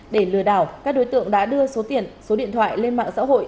để lừa đảo các đối tượng đã đưa số tiền số điện thoại lên mạng xã hội